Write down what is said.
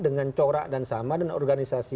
dengan corak dan sama dengan organisasi